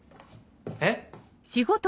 えっ？